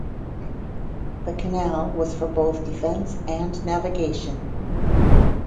The canal was for both defense and navigation.